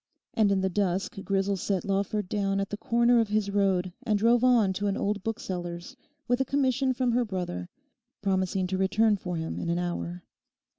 And in the dusk Grisel set Lawford down at the corner of his road and drove on to an old bookseller's with a commission from her brother, promising to return for him in an hour.